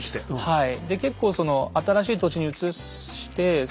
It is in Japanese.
はい。